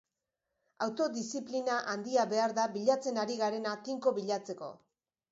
Autodiziplina handia behar da bilatzen ari garena tinko bilatzeko.